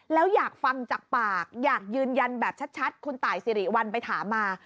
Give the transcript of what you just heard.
แล้วอยากฟังจากปากอยากยืนยันแบบชัดคุณตายสิริวัลไปถามมา